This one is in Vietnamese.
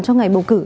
cho ngày bầu cử